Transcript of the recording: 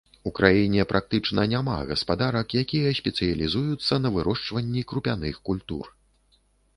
У краіне практычна няма гаспадарак, якія спецыялізуюцца на вырошчванні крупяных культур.